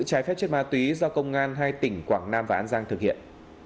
trái phép chất ma túy do công an hai tỉnh quảng nam và an giang thực hiện